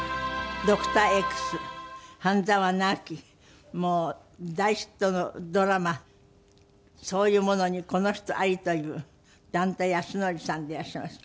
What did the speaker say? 『ドクターＸ』『半沢直樹』もう大ヒットのドラマそういうものにこの人ありという段田安則さんでいらっしゃいます。